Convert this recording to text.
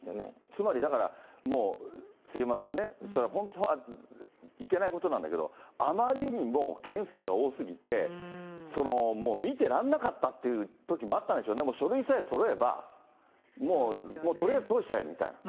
つまりだから、杉山さんね、本当はいけないことなんだけど、あまりにも件数が多すぎて、見てらんなかったっていうときもあったんでしょうね、書類さえそろえば、もうとりあえず通しちゃえみたいな。